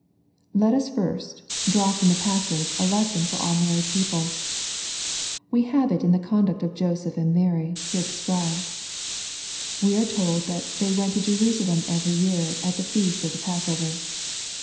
Let us. first, draw from the passage a lesson for M married people* We have it in the conduct of Joseph and Mary, here described. We are told that " they went to Jerusalem every year, at the feast of the passover."